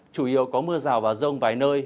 chủ yếu có mưa rào và rông vài nơi